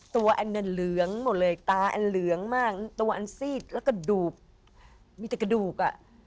อันนั้นเหลืองหมดเลยตาอันเหลืองมากตัวอันซีดแล้วก็ดูบมีแต่กระดูกอ่ะ